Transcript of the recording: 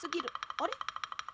あれ？